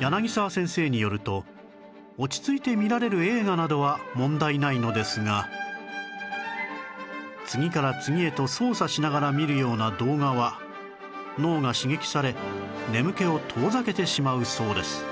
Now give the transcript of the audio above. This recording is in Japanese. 柳沢先生によると落ち着いて見られる映画などは問題ないのですが次から次へと操作しながら見るような動画は脳が刺激され眠気を遠ざけてしまうそうです